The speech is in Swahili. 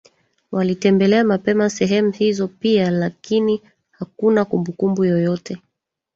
walitembelea mapema sehemu hizo pia lakini hakuna kumbukumbu yoyote